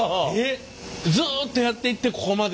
ずっとやっていってここまで？